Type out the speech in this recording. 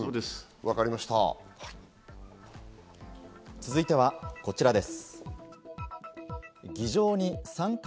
続いてはこちらです。